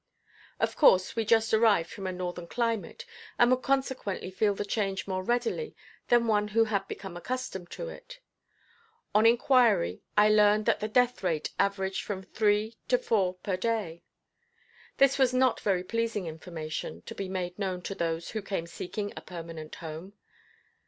Of course we just arrived from a northern climate, and would consequently feel the change more readily than one who had become accustomed to it. On inquiry I learned that the death rate averaged from three to four per day. This was not very pleasing information to be made known to those who came seeking a permanent home.